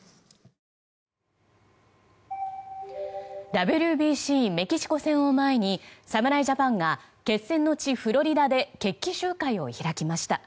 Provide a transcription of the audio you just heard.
ＷＢＣメキシコ戦を前に侍ジャパンが決戦の地フロリダで決起集会を開きました。